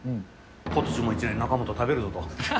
ことしも一年、中本食べるぞと。